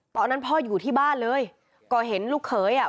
ตอนนั้นพ่ออยู่ที่บ้านเลยก็เห็นลูกเขยอ่ะ